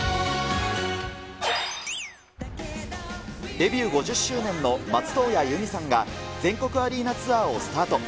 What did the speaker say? デビュー５０周年の松任谷由実さんが、全国アリーナツアーをスタート。